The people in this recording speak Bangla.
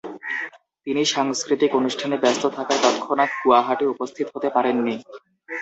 তিনি সাংস্কৃতিক অনুষ্ঠানে ব্যস্ত থাকায় তৎক্ষণাৎ গুয়াহাটি উপস্থিত হতে পারেননি।